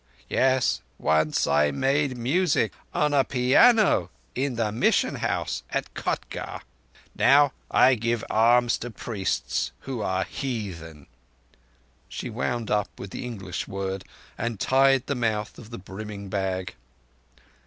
Yes, once I made music on a pianno in the Mission house at Kotgarh. Now I give alms to priests who are heatthen." She wound up with the English word, and tied the mouth of the brimming bag.